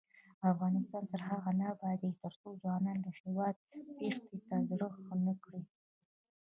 افغانستان تر هغو نه ابادیږي، ترڅو ځوانان له هیواده تېښتې ته زړه ښه نکړي.